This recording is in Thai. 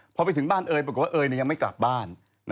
พอไปถึงบ้านเอ่ยบอกว่าเอ่ยเนี่ยยังไม่กลับบ้าน